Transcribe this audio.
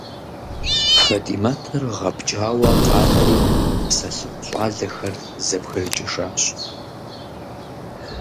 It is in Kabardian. ФатӀимэтыр гъэпкӀауэ къанэри, псэлъыхъу щӀалэхэр зэбгрыкӀыжащ.